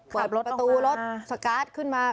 พลับประตูรถสการ์ทขึ้นไป